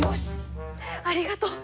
ありがとう！